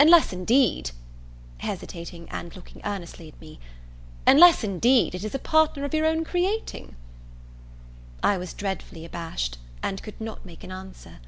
unless, indeed, (hesitating and looking earnestly at me,) unless, indeed, it is a partner of your own creating?" I was dreadfully abashed, and could not make an answer.